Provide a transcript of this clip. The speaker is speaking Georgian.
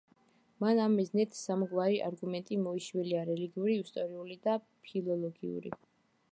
მან ამ მიზნით სამგვარი არგუმენტი მოიშველია: რელიგიური, ისტორიული და ფილოლოგიური.